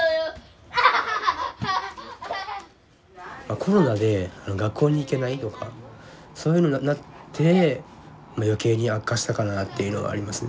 コロナで学校に行けないとかそういうのになって余計に悪化したかなっていうのがありますね。